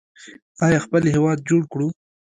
آیا خپل هیواد جوړ کړو؟